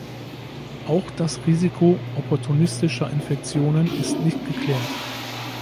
Auch das Risiko opportunistischer Infektionen ist nicht geklärt.